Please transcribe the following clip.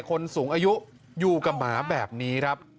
คนสูงอายุอยู่กับหมาแบบนี้ครับ